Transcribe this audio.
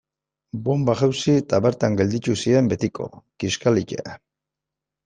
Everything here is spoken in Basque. Bonba erori eta bertan geratu ziren betiko, kiskalita.